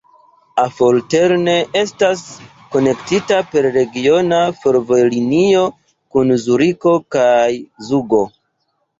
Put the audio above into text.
Affoltern estas konektita per regiona fervojlinio kun Zuriko kaj Zugo.